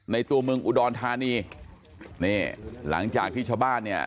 ตัวเมืองอุดรธานีนี่หลังจากที่ชาวบ้านเนี่ย